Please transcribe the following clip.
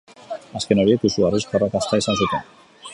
Azken horiek izugarrizko arrakasta izan zuten.